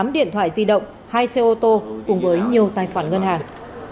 tám điện thoại di động hai xe ô tô cùng với nhiều tài khoản ngân hàng